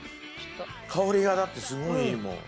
香りがだってすごいいいもん。